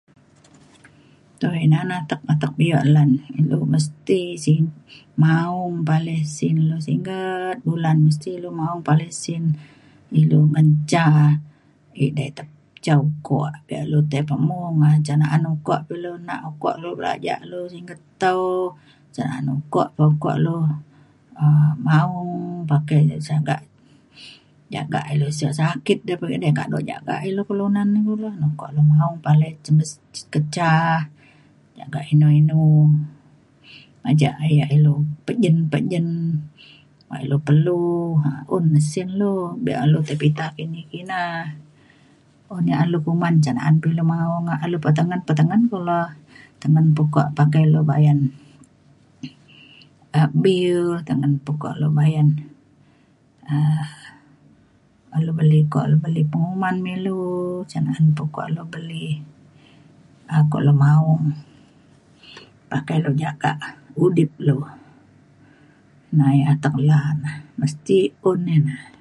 dau ina na atek atek bio lan ilu mesti si- maong palai sin lu singget bulan mesti ilu maong palai sin ilu ban ca edei te- ca ukok lu tai pemung ngan ca na’an ukok pa ilu nak ukok lu belajak lu singget tau ca na’an ukok ukok lu um maong pakai sagak jagak ilu sio sakit edei kado jagak ilu kelunan ni kulo. ukok lu maong palai ke ca jagak inu inu bacak ilu yak pejen pejen um ilu perlu un sin lu be’un lu tai pita kini kina. un yak lu kuman cen na’an pa ilu maong ilu petengen petengen kulo tengen pukok pakai lu bayan um bil tengen pukok lu bayan um lu beli ukok ilu beli penguman me ilu cen na’an pa ukok lu beli. um kok lu maong pakai lu jagak udip lu. na yak atek lan na mesti un ina.